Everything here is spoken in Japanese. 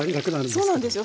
そうなんですよ。